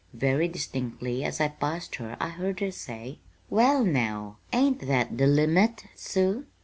Very distinctly as I passed her I heard her say: "Well, now, ain't that the limit, Sue?